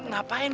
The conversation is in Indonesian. lu udah ngapain